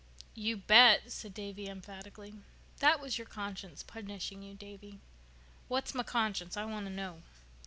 "You bet!" said Davy emphatically. "That was your conscience punishing you, Davy." "What's my conscience? I want to know."